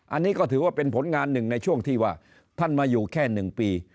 อันนี้ก็ถือว่าเป็นผลงานหนึ่งในช่วงที่ว่าท่านมาอยู่แค่๑ปี